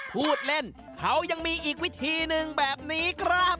พูดเล่นเขายังมีอีกวิธีหนึ่งแบบนี้ครับ